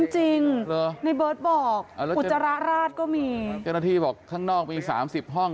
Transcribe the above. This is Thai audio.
จริงในเบิร์ตบอกอุจจาระราชก็มีเจ้าหน้าที่บอกข้างนอกมี๓๐ห้อง